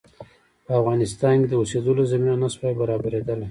په افغانستان کې د اوسېدلو زمینه نه سوای برابرېدلای.